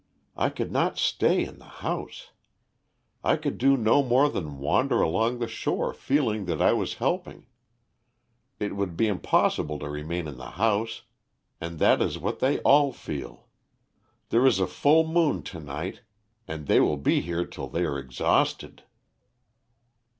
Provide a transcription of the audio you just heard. I could not stay in the house; I could do no more than wander along the shore feeling that I was helping. It would be impossible to remain in the house and that is what they all feel. There is a full moon to night, and they will be here till they are exhausted."